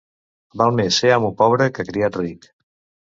Val més ser amo pobre que criat ric.